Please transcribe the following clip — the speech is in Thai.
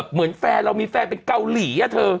เหมือนแฟนเรามีแฟนเป็นเกาหลีอะเธอ